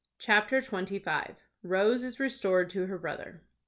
CHAPTER XXV. ROSE IS RESTORED TO HER BROTHER.